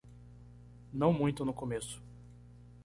Não muito no começo